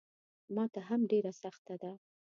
ماته هم ډېره سخته ده.